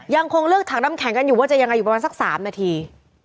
ยังคงเลือกถังน้ำแข็งกันอยู่ว่าจะยังไงอยู่ประมาณสัก๓นาที